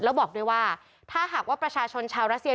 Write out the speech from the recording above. แล้วบอกด้วยว่าถ้าหากว่าประชาชนชาวรัสเซีย